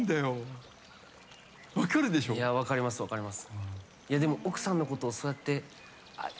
分かります、分かります。